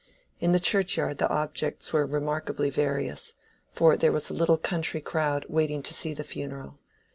In the churchyard the objects were remarkably various, for there was a little country crowd waiting to see the funeral.